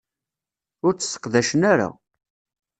Ur tt-sseqdacen ara.